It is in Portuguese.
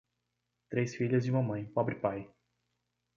Três filhas e uma mãe, pobre pai.